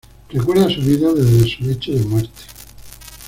Recuerda su vida desde su lecho de muerte.